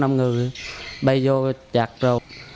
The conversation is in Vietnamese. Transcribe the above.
năm người bay vô chạc rồi